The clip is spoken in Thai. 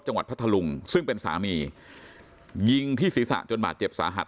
พัทธลุงซึ่งเป็นสามียิงที่ศีรษะจนบาดเจ็บสาหัส